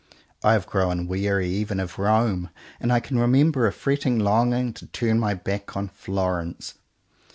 I have grown weary even of Rome and I can remember a fretting longing to turn my back on Florence.